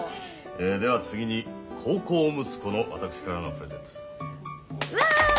では次に孝行息子の私からのプレゼントです。わ！